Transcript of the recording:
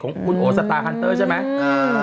ของคุณโอสตาร์ฮันเตอร์ใช่ไหม